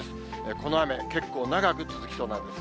この雨、結構長く続きそうな雨です。